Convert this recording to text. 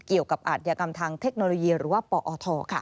เกี่ยวกับอาทยากรรมทางเทคโนโลยีหรือว่าปอทค่ะ